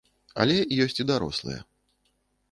Але ёсць і дарослыя.